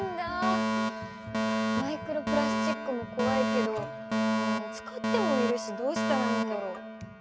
マイクロプラスチックもこわいけどうん使ってもいるしどうしたらいいんだろう？